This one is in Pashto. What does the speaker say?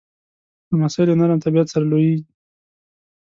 لمسی له نرم طبیعت سره لویېږي.